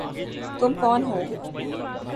تم کون ہو؟